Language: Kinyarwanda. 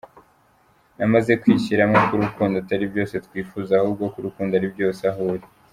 Namaze kwishyiramo ko urukundo atari byose twifuza ahubwo ko urukundo ari byose aho uri.